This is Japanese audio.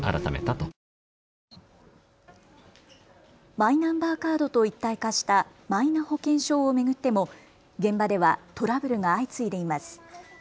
マイナンバーカードと一体化したマイナ保険証を巡っても現場ではトラブルが相次いでいます。